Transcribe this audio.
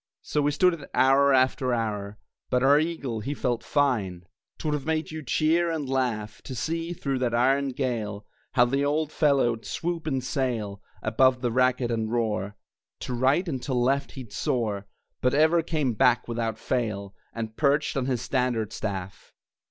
So we stood it hour after hour; But our eagle, he felt fine! 'Twould have made you cheer and laugh, To see, through that iron gale, How the old fellow'd swoop and sail Above the racket and roar, To right and to left he'd soar, But ever came back, without fail, And perched on his standard staff.